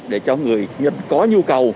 để cho người dân có nhu cầu